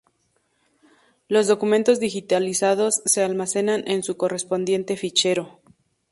Los documentos digitalizados se almacenan en su correspondiente fichero.